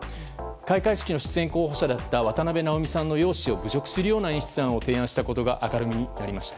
開会式の出演候補者だった渡辺直美さんの容姿を侮辱するような演出案を提案したことが明るみになりました。